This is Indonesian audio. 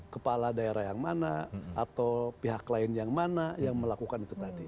kepala daerah yang mana atau pihak lain yang mana yang melakukan itu tadi